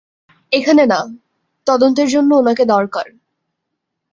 এখানে না, তদন্তের জন্য উনাকে দরকার।